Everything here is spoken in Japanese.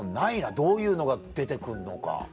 どういうのが出て来るのか。